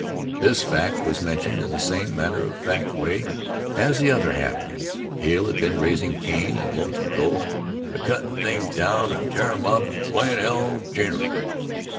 This fact was mentioned in the same matter of fact way as the other happenings. Hale had been raising Cain in Lonesome Cove "A cuttin' things down an' tearin' 'em up an' playin' hell ginerally."